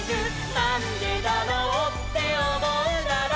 「なんでだろうっておもうなら」